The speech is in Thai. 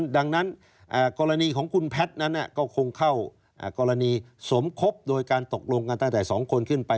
ดังนั้นกรณีของคุณแพทย์นั้นก็คงเข้ากรณีสมคบโดยการตกลงกันตั้งแต่๒คนขึ้นไป